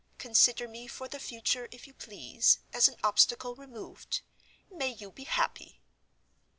Consider me for the future, if you please, as an Obstacle removed. May you be happy!"